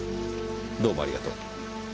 どうもありがとう。